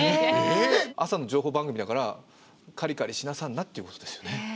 朝の情報番組だからカリカリしなさんなということですよね。